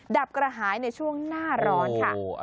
ดับกระหายในช่วงหน้าร้อนค่ะ